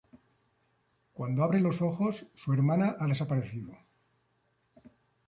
Cuando abre los ojos, su hermana ha desaparecido.